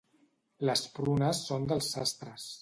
Les prunes són dels sastres.